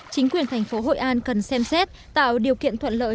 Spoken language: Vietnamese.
chính quyền thành phố hội an cần xem xét tạo điều kiện thuận lợi